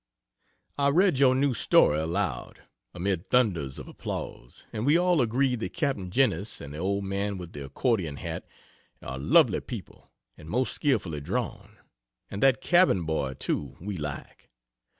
I read your new story aloud, amid thunders of applause, and we all agreed that Captain Jenness and the old man with the accordion hat are lovely people and most skillfully drawn and that cabin boy, too, we like.